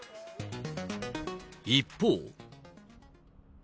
一方。